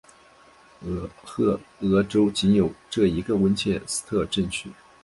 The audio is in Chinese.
俄亥俄州仅有这一个温彻斯特镇区。